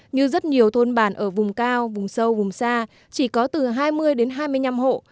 như rất nhiều thôn bản ở vùng cao vùng sâu vùng xa chỉ có từ hai mươi đến hai mươi năm hộ